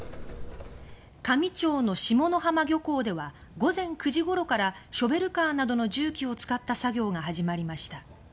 香美町の下浜漁港では午前９時ごろからショベルカーなどの重機を使った作業が始まりました。